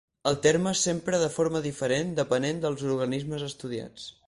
El terme s'empra de forma diferent depenent dels organismes estudiats.